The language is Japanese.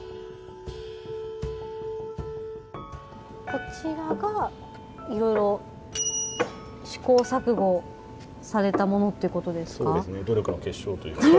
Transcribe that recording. こちらがいろいろ試行錯誤されたものってことですか？